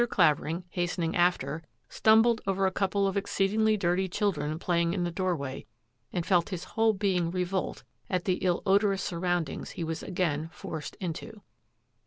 Clavering, hastening after, stum bled over a couple of exceedingly dirty children playing in the doorway, and felt his whole being revolt at the ill odorous surroundings he was again forced into.